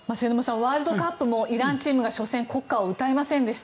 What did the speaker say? ワールドカップもイランチームが初戦、国歌を歌いませんでした。